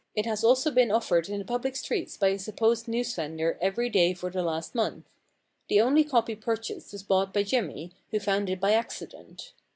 It has also been offered in the public streets by a supposed newsvender every day for the last month. The only copy purchased was bought by Jimmy, who found it by accident.